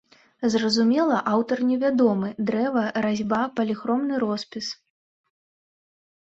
Зразумела, аўтар невядомы, дрэва, разьба, паліхромны роспіс.